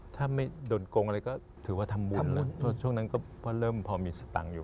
ถ้าไม่โดดโปรงอะไรก็ถือว่าทำมูลช่วงนั้นก็พอเลยพอมีสตังอยู่